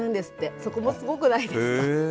そこもすごくないですか？